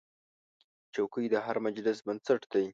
چوکۍ د هر مجلس بنسټ دی.